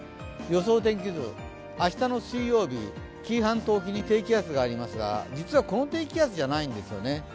予想天気図、明日の水曜日、紀伊半島沖に低気圧がありますが、実はこの低気圧じゃないんですよね。